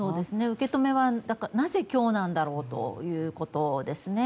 受け止めはなぜ今日何だろうということですね。